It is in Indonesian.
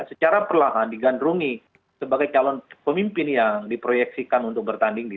secara perlahan digandrungi sebagai calon pemimpin yang diproyeksikan untuk bertanding di dua ribu empat belas